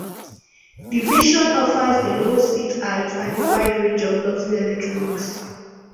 The Vision offers a low seat height and a wide range of luxury electronics.